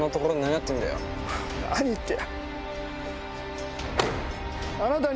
何って。